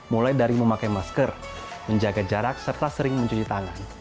mulai dari memakai masker menjaga jarak serta sering mencuci tangan